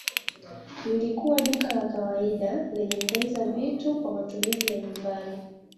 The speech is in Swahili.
Lilikuwa duka la kawaida lenye kuuza vitu kwa matumizi ya nyumbani